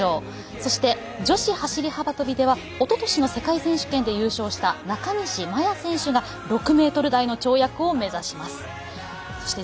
そして女子走り幅跳びではおととしの世界選手権で優勝した中西麻耶選手が６ｍ台の跳躍を目指します。